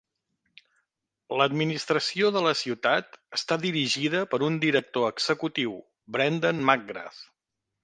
L'administració de la ciutat està dirigida per un director executiu, Brendan McGrath.